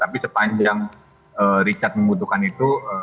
tapi sepanjang richard membutuhkan itu